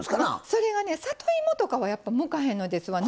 それはね里芋とかはやっぱ向かへんのですわ。